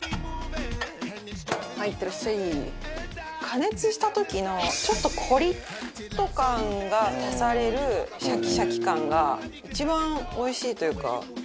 加熱した時のちょっとコリッと感が足されるシャキシャキ感が一番おいしいというか。